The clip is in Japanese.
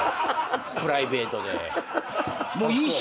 プライベートで。